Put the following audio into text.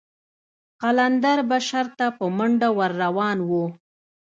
قلندر به شر ته په منډه ور روان و.